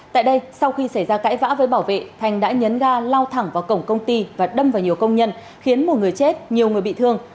tại đây sau khi xảy ra cãi vã với bảo vệ thành đã nhấn ga lao thẳng vào cổng công ty và đâm vào nhiều công nhân khiến một người chết nhiều người bị thương